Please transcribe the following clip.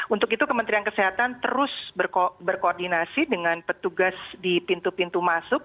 untuk itu kementerian kesehatan terus berkoordinasi dengan petugas di pintu pintu masuk